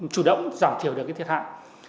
chủ động giảm thiểu được cái thiệt hạn